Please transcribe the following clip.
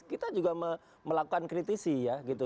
kita juga melakukan kritisi ya gitu